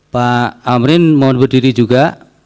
pak amrin mohon berdiri juga